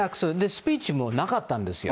スピーチもなかったんですよ。